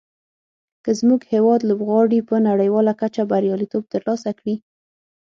که زموږ هېواد لوبغاړي په نړیواله کچه بریالیتوب تر لاسه کړي.